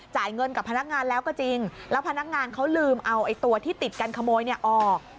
จ่ายเงินกับพนักงานแล้วก็จริงแล้วพนักงานเขาลืมเอาตัวที่ติดกันขโมยเนี่ยออก